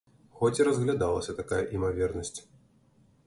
Хоць і разглядалася такая імавернасць.